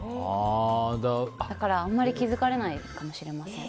だからあまり気づかれないかもしれません。